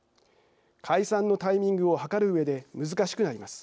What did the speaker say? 解散のタイミングを計るうえで難しくなります。